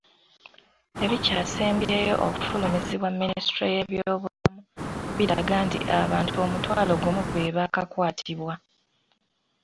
Ebikyasembyewo okufulumizibwa Minisitule y'ebyobulamu biraga nti abantu omutwalo gumu be baakakwatibwa.